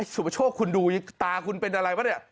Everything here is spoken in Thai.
สุประโชคคุณดูตาคุณเป็นอะไรป่ะเนี่ย